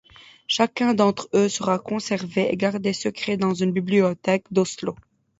Chacun d'entre eux sera conservé et gardé secret dans une bibliothèque d'Oslo.